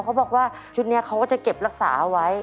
เขาบอกว่าชุดนี้เขาก็จะเก็บรักษาเอาไว้